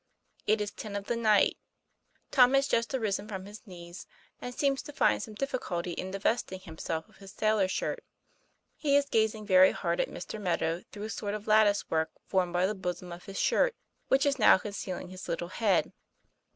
IT is ten of the night. Tom has just arisen from his knees, and seems to find some difficulty in divesting himself of his sailor shirt. He is gazing very hard at Mr. Meadow through a sort of lattice work formed by the bosom of his shirt, which is now concealing his little head.